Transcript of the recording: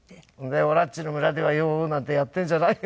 「“おらっちの村ではよお”なんてやってるんじゃないよ」